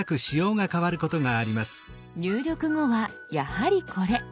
入力後はやはりこれ。